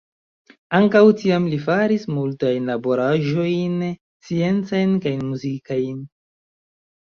Ankaŭ tiam li faris multajn laboraĵojn sciencajn kaj muzikajn.